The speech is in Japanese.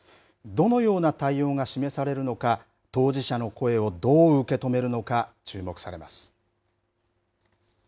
どのような対応が示されるのか、当事者の声をどう受け止めるのか、注目されます。